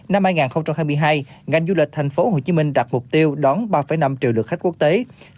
năm hai nghìn hai mươi hai ngành du lịch tp hcm đạt mục tiêu đón ba năm triệu lượt khách quốc tế